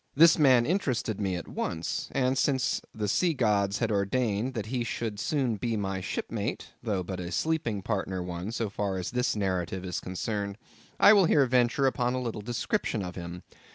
This man interested me at once; and since the sea gods had ordained that he should soon become my shipmate (though but a sleeping partner one, so far as this narrative is concerned), I will here venture upon a little description of him.